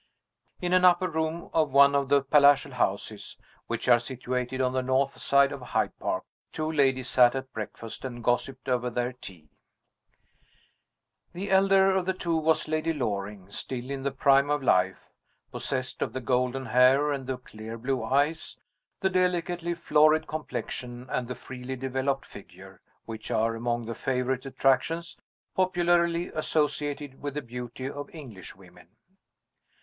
IN an upper room of one of the palatial houses which are situated on the north side of Hyde Park, two ladies sat at breakfast, and gossiped over their tea. The elder of the two was Lady Loring still in the prime of life; possessed of the golden hair and the clear blue eyes, the delicately florid complexion, and the freely developed figure, which are among the favorite attractions popularly associated with the beauty of Englishwomen.